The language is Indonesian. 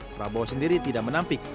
prabowo sendiri tidak menampik